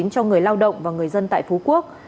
cho người lao động và người dân tại phú quốc